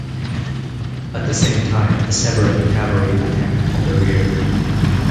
At the same time, the Severan cavalry attacked from the rear.